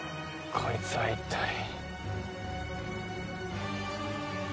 こいつは一体？